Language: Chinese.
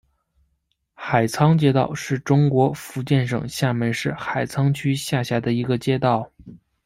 海沧街道是中国福建省厦门市海沧区下辖的一个街道。